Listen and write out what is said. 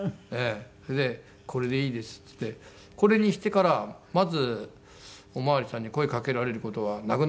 それで「これでいいです」っつって。これにしてからまずお巡りさんに声かけられる事はなくなりました。